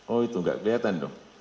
oh itu nggak kelihatan dong